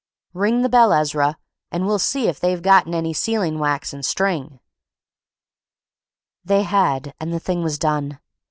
Ring the bell, Ezra, and we'll see if they've gotten any sealing wax and string." They had; and the thing was done.